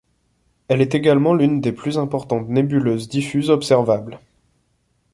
Elle est également l'une des plus importantes nébuleuses diffuses observable.